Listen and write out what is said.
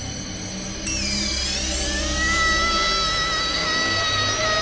うわ！